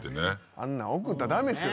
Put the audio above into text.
あんなん送ったら駄目ですよ